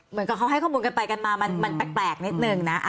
เหมือนกับเขาให้ข้อมูลกันไปกันมามันแปลกนิดนึงนะ